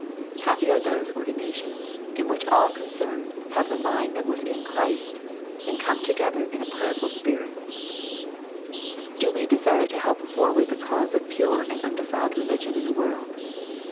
— Happy are those ordinations, in which all concerned have the mind that was in Christ, m and come together in a prayerful spirit 1 Do we desire to help forward the cause of pure and undefiled religion in the world